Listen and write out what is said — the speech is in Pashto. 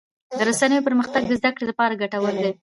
د رسنیو پرمختګ د زدهکړې لپاره ګټور دی.